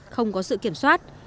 không có sự kiểm soát